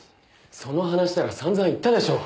その話なら散々言ったでしょう。